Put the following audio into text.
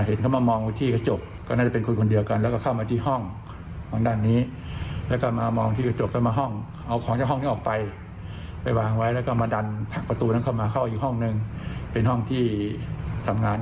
ประมาณหนึ่งนาทีมาถึงเนี้ย